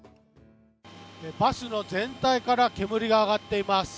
バスの全体から煙が上がっています。